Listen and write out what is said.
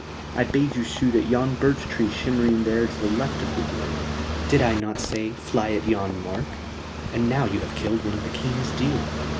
"I bade you shoot at yon birch tree shimmering there to the left of the deer. Did I not say: 'Fly at yon mark'? And now you have killed one of the King's deer."